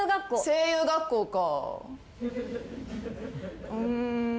声優学校か。